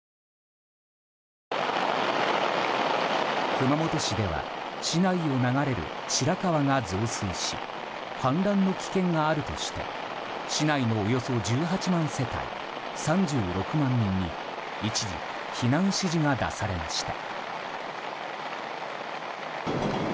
熊本市では市内を流れる白川が増水し氾濫の危険があるとして、市内のおよそ１８万世帯３６万人に一時、避難指示が出されました。